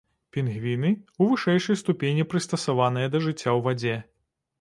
Пінгвіны, у вышэйшай ступені прыстасаваныя да жыцця ў вадзе.